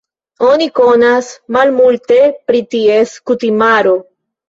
Oni konas malmulte pri ties kutimaro.